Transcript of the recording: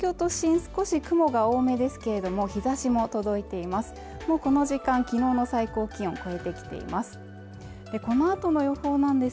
少し雲が多めですけれども日ざしも届いています